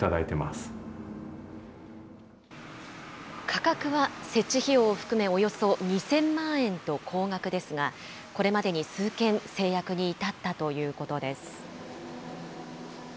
価格は設置費用を含めおよそ２０００万円と高額ですが、これまでに数件、成約に至ったということです。